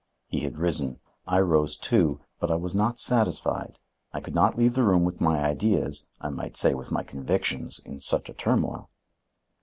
He had risen. I rose too. But I was not satisfied. I could not leave the room with my ideas (I might say with my convictions) in such a turmoil.